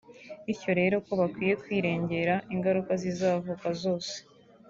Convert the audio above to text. bityo rero ko bakwiye kwirengera ingaruka zizavuka zose